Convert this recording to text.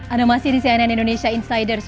anomasi di cnn indonesia insiders